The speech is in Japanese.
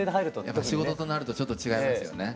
やっぱ仕事となるとちょっと違いますよね。